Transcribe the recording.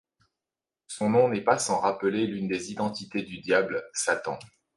Son nom n'est pas sans rappeler l'une des identités du diable, Satan.